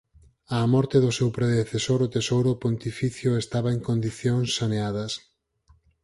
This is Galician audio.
Á morte do seu predecesor o tesouro pontificio estaba en condicións saneadas.